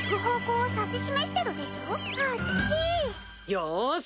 よし！